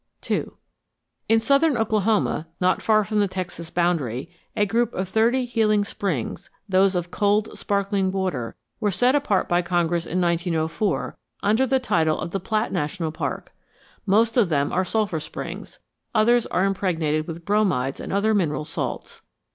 II In southern Oklahoma not far from the Texas boundary, a group of thirty healing springs, these of cold sparkling water, were set apart by Congress in 1904 under the title of the Platt National Park. Most of them are sulphur springs; others are impregnated with bromides and other mineral salts.